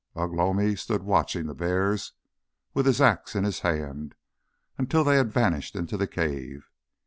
Ugh lomi stood watching the bears, with his axe in his hand, until they had vanished into the cave.